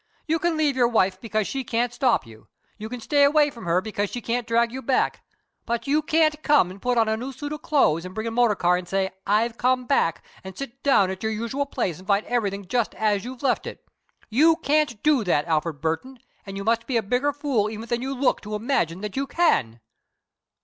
You can leave your wife because she can't stop you. You can stay away from her because she can't drag you back. But you can't come and put on a new suit of clothes and bring a motor car and say 'I've come back,' and sit down at your usual place and find everything just as you've left it. You can't do that, Alfred Burton, and you must be a bigger fool even than you look to imagine that you can!"